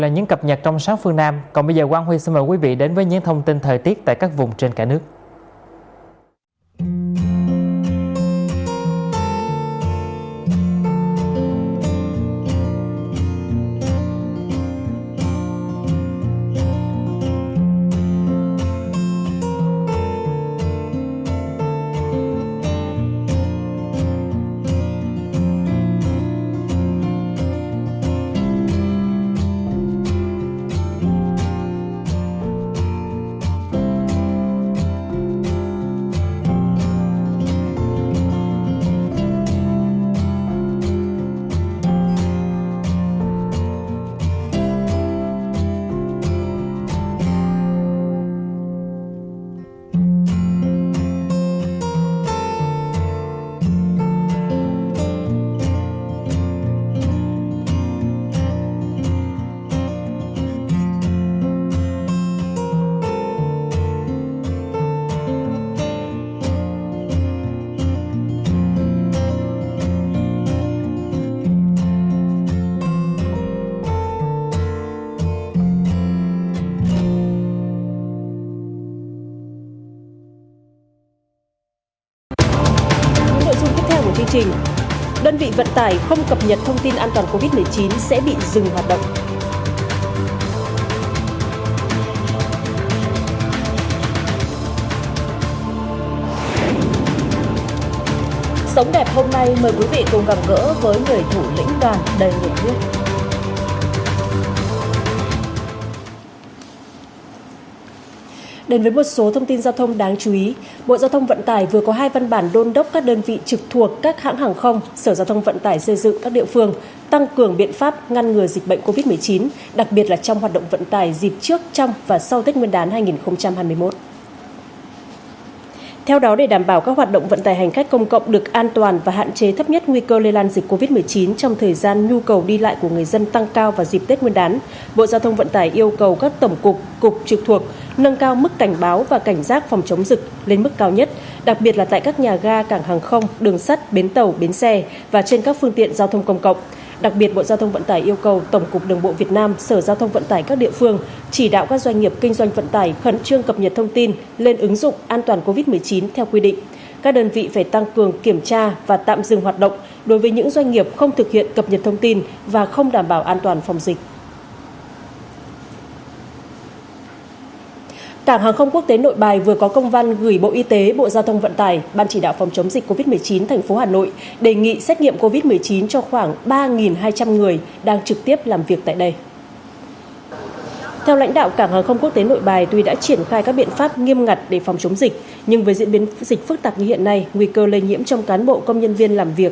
ngành đường sắt cũng lưu ý hành khách thực hiện việc hoàn đổi trả vé tại các nhà ga hoặc trả vé online qua website đường sắt việt nam ít nhất trước hai mươi bốn giờ so với giờ khởi hành và việc hỗ trợ chỉ áp dụng một lần đối với một vé